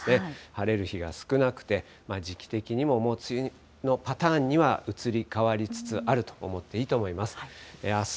晴れる日が少なくて時期的にももう梅雨のパターンには移り変わりつつあると思っていいと思います。